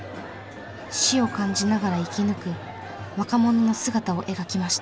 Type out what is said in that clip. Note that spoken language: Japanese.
死を感じながら生き抜く若者の姿を描きました。